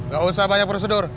gak usah banyak prosedur